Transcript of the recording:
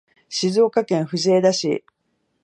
静岡県藤枝市